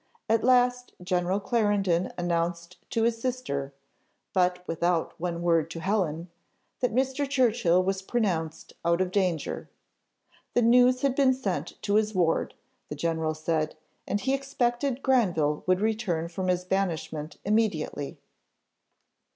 At last General Clarendon announced to his sister, but without one word to Helen, that Mr. Churchill was pronounced out of danger. The news had been sent to his ward, the general said, and he expected Granville would return from his banishment immediately.